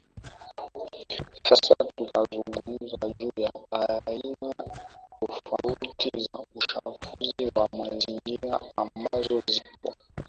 Sasa tutazungumza juu ya aina tofauti za uchafuzi wa mazingira ambazo zipo